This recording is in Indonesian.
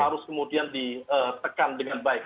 harus kemudian ditekan dengan baik